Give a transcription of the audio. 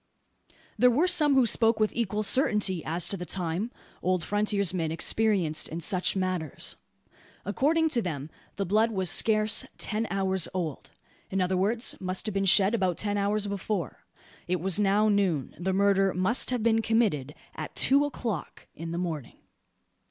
There were some who spoke with equal certainty as to the time old frontiersmen experienced in such matters. According to them the blood was scarce "ten hours old:" in other words, must have been shed about ten hours before. It was now noon. The murder must have been committed at two o'clock in the morning.